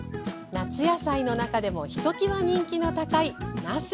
夏野菜の中でもひときわ人気の高いなす。